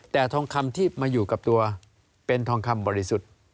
แต่ทองคำที่มาอยู่กับตัวเป็นทองคำบริสุทธิ์